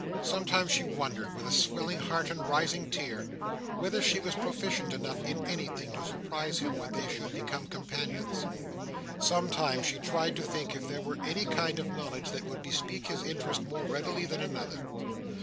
Sometimes she wondered, with a swelling heart and rising tear, whether she was proficient enough in anything to surprise him when they should become companions. Sometimes she tried to think if there were any kind of knowledge that would bespeak his interest more readily than another.